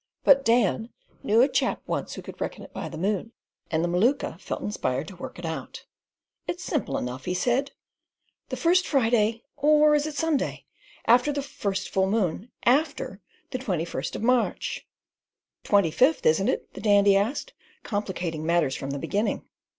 But Dan "knew a chap once who could reckon it by the moon" and the Maluka felt inspired to work it out. "It's simple enough," he said. "The first Friday—or is it Sunday?—after the first full moon, AFTER the twenty first of March." "Twenty fifth, isn't it?" the Dandy asked, complicating matters from the beginning.